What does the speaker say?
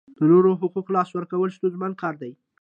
د نورو حقوقو لاسه ورکول ستونزمن کار دی.